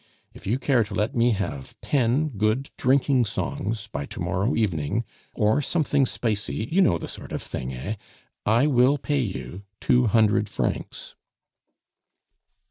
If you care to let me have ten good drinking songs by to morrow morning, or something spicy, you know the sort of thing, eh! I will pay you two hundred francs."